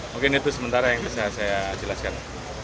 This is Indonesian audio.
mungkin itu sementara yang bisa saya jelaskan